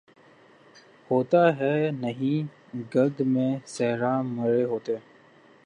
ہوتا ہے نہاں گرد میں صحرا مرے ہوتے